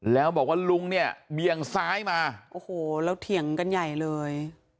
แล้วบอกว่าลุงเนี่ยเบี่ยงซ้ายมาโอ้โหแล้วเถียงกันใหญ่เลย